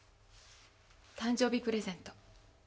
誕生日プレゼント。